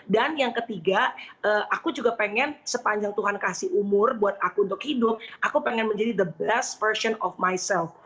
yang ketiga aku juga pengen sepanjang tuhan kasih umur buat aku untuk hidup aku pengen menjadi the best version of myself